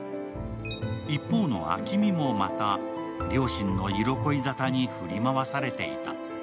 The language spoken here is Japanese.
一方の暁海もまた両親の色恋ざたに振り回されていた。